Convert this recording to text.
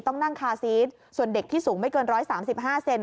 ต้องนั่งคาซีสส่วนเด็กที่สูงไม่เกิน๑๓๕เซน